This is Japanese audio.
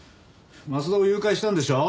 松田を誘拐したんでしょ？